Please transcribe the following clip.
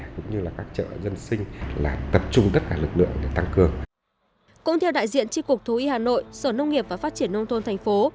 cũng theo đại diện tri cục thú y hà nội sở nông nghiệp và phát triển nông thôn thành phố